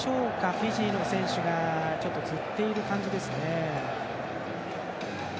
フィジーの選手が、ちょっとつっている感じですね。